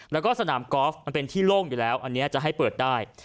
แล้วก็สนามกอล์ฟมันเป็นที่โล่งอยู่แล้วอันนี้จะให้เปิดได้